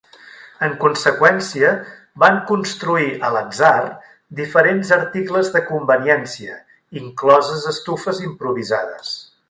En conseqüència, van construir a l'atzar diferents articles de conveniència, incloses estufes improvisades.